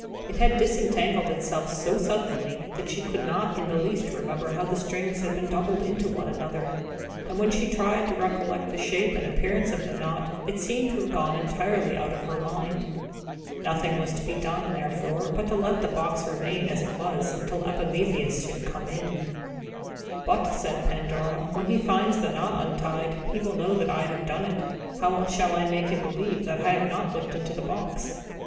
It had disentangled itself so suddenly that she could not in the least remember how the strings had been doubled into one another; and when she tried to recollect the shape and appearance of the knot, it seemed to have gone entirely out of her mind. Nothing was to be done, therefore, but to let the box remain as it was until Epimetheus should come in. "But," said Pandora, "when he finds the knot untied, he will know that I have done it. How shall I make him believe that I have not looked into the box?"